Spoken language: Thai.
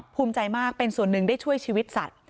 ภูมิใจมากเป็นส่วนหนึ่งได้ช่วยชีวิตสัตว์